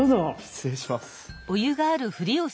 失礼します。